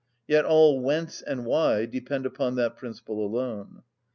Yet all whence and why depend upon that principle alone.